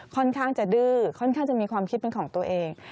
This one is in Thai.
ค่อนข้างจะดื้อค่อนข้างจะมีความคิดเป็นของตัวเอง